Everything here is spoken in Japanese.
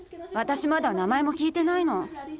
私まだ名前も聞いてないの。